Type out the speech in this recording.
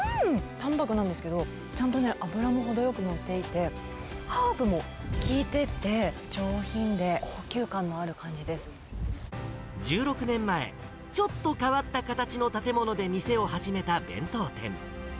たんぱくなんですけど、ちゃんとね、脂も程よく乗っていて、ハーブも効いてて、１６年前、ちょっと変わった形の建物で店を始めた弁当店。